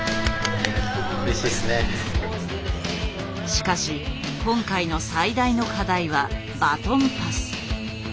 しかし今回の最大の課題はバトンパス。